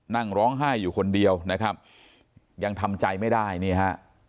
นั่งร้องไห้อยู่คนเดียวนะครับยังทำใจไม่ได้นี่ฮะ